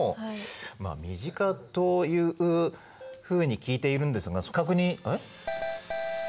まあ身近というふうに聞いているんですが確認あれ？